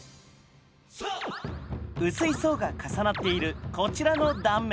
薄い層が重なっているこちらの断面。